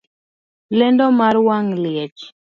Lendo mar wang' liech